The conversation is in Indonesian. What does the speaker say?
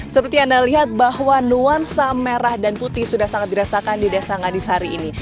seperti anda lihat bahwa nuansa merah dan putih sudah sangat dirasakan di desa ngadisari ini